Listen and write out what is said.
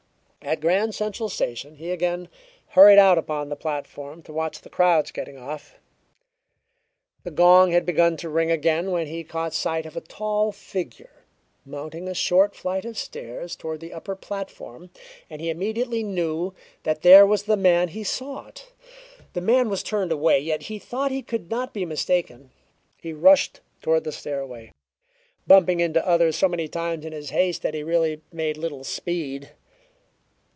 At Grand Central Station he again hurried out upon the platform to watch the crowds getting off. The gong had begun to ring again when he caught sight of a tall figure mounting a short flight of stairs toward the upper platform, and he immediately knew that there was the man he sought. The face was turned away, yet he thought he could not be mistaken. He rushed toward the stairway, bumping into others so many times in his haste that he really made little speed.